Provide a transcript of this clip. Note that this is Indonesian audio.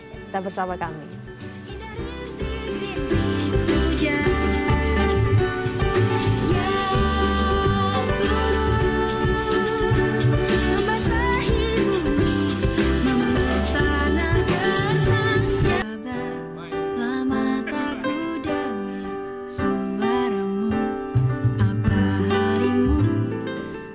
sampai bersama kami